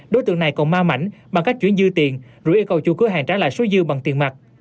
đối tượng này còn ma mảnh bằng cách chuyển dư tiền rồi yêu cầu chủ cửa hàng trả lại số dư bằng tiền mặt